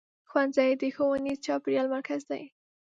ښوونځی د ښوونیز چاپېریال مرکز دی.